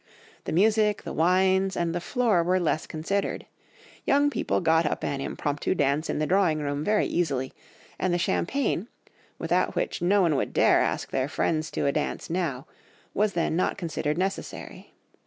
The music, the wines, and the floor were less considered; young people got up an impromptu dance in a drawing room very easily; and the champagne, without which no one would dare to ask their friends to a dance now, was then not considered necessary.